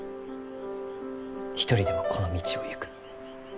一人でもこの道を行く。